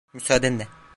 Müsaadenle.